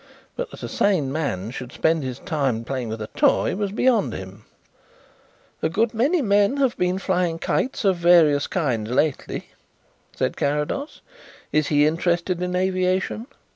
But that a sane man should spend his time 'playing with a toy' was beyond him." "A good many men have been flying kites of various kinds lately," said Carrados. "Is he interested in aviation?"